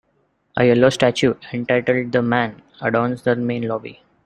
A yellow statue entitled "The Man" adorns the main lobby.